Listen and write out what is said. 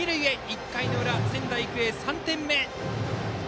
１回の裏、仙台育英３点目！